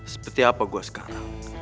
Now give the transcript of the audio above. seperti apa gue sekarang